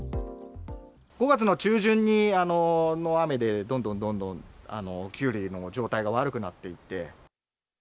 ５月の中旬の雨で、どんどんどんどん、きゅうりの状態が悪くなっていって。